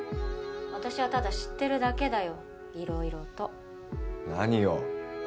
私はただ知ってるだけだよ色々と何を？